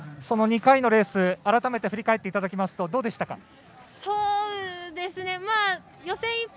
その２回のレース改めて振り返っていただくとどうでしたか？